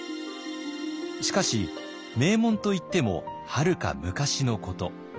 しかし名門といってもはるか昔のこと。